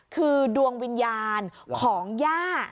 คือดวงวิญญาณของย่า